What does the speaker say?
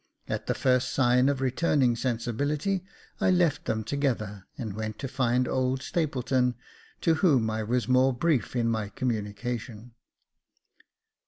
At the first signs of returning sensibility I left them together, and went to find old Stapleton, to whom I was more brief in my communication.